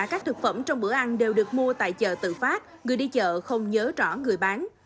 các thực phẩm trong bữa ăn đều được mua tại chợ tự phát người đi chợ không nhớ rõ người bán